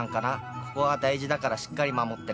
ここは大事だからしっかり守ってね。